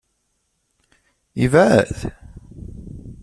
Yebɛed?